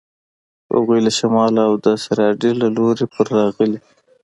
هغوی له شمال او د سیوایډل له لوري پر راغلي.